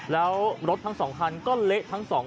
แล้วรถทั้ง๒คันก็เละทั้งสอง